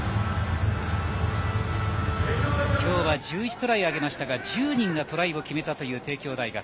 今日は１１トライを挙げましたが１０人がトライを決めたという帝京大学。